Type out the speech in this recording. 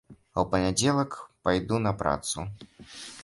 А ў панядзелак пайду на працу.